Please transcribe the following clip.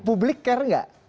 publik care nggak